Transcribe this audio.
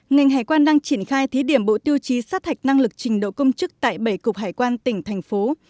ngành hải quan đang triển khai thí điểm bộ tiêu chí sát hạch năng lực trình độ công chức tại bảy cục hải quan tỉnh thành phố